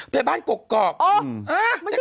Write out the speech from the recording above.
ไปบ้านกรอกเขาก